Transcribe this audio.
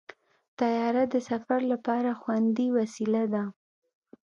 طیاره د سفر لپاره خوندي وسیله ده.